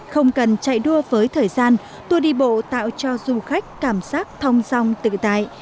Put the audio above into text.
không cần chạy đua với thời gian tour đi bộ tạo cho du khách cảm giác thong dòng tự tại